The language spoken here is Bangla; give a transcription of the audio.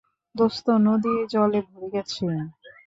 দোস্ত, নদী জলে ভরে গেছে!